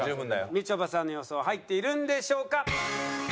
みちょぱさんの予想は入っているんでしょうか？